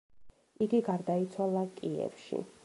იგი გარდაიცვალა კიევში.